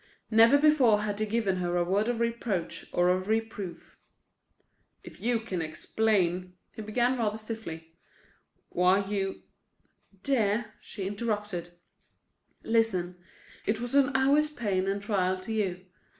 Never before had he given her a word of reproach or of reproof. "If you can explain," he began rather stiffly, "why you—" "Dear," she interrupted, "listen. It was an hour's pain and trial to you.